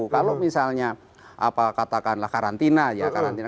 kalau misalnya katakanlah karantina ya karantina